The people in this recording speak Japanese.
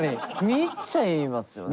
見入っちゃいますよね。